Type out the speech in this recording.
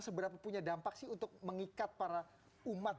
seberapa punya dampak sih untuk mengikat para umat